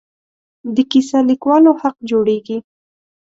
د کیسه لیکوالو حق جوړېږي.